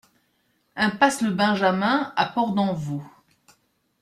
Impasse le Benjamin à Port-d'Envaux